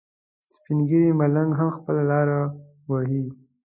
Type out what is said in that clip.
سپین ږیری ملنګ هم خپله لاره وهي.